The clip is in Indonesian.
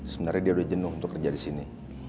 sebenarnya dia udah jenuh untuk kerja di sini